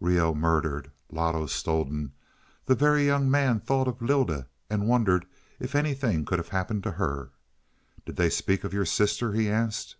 Reoh murdered, Loto stolen! The Very Young Man thought of Lylda and wondered if anything could have happened to her. "Did they speak of your sister?" he asked.